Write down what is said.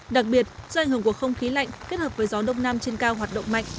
đặc biệt do ảnh hưởng của không khí lạnh kết hợp với gió đông nam trên cao hoạt động mạnh